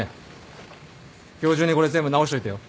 今日中にこれ全部直しといてよ。